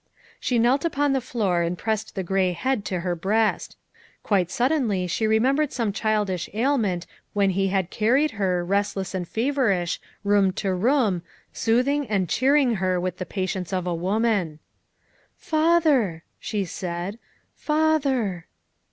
She knelt upon the floor and pressed the gray head to her breast; quite suddenly she remembered some childish ailment when he had carried her, restless and feverish, from room to room, soothing and cheering her with the patience of a woman. " Father," she said, " father."